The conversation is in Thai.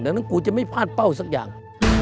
ดังนั้นกูจะไม่พลาดเป้าสักอย่าง